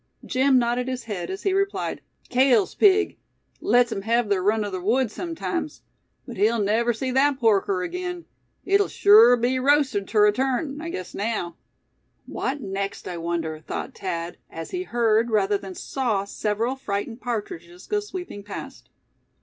Jim nodded his head, as he replied: "Cale's pig. Let's 'em hev ther run o' ther woods sumtimes. But he'll never see that porker agin. It'll sure be roasted ter a turn, I guess naow." "What next, I wonder?" thought Thad, as he heard, rather than saw, several frightened partridges go sweeping past.